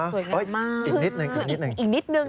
สวยงามมากอีกนิดหนึ่งคืออีกนิดหนึ่ง